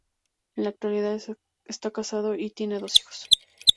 En la actualidad está casado y tiene dos hijos.